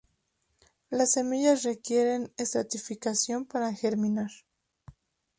Las semillas requieren estratificación para germinar.